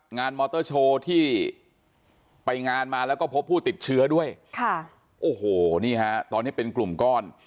มอเตอร์โชว์ที่ไปงานมาแล้วก็พบผู้ติดเชื้อด้วยค่ะโอ้โหนี่ฮะตอนนี้เป็นกลุ่มก้อน